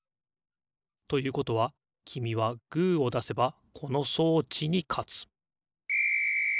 ということはきみはグーをだせばこの装置にかつピッ！